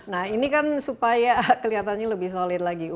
nah ini kan supaya kelihatannya lebih solid lagi